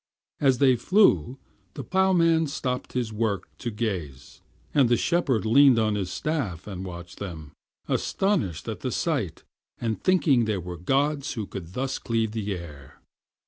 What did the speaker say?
As they flew the ploughman stopped his work to gaze, and the shepherd leaned on his staff and watched them, astonished at the sight, and thinking they were gods who could thus cleave the air.